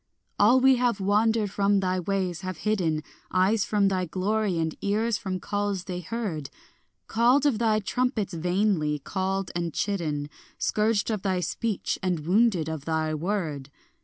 All we have wandered from thy ways, have hidden Eyes from thy glory and ears from calls they heard; Called of thy trumpets vainly, called and chidden, Scourged of thy speech and wounded of thy word.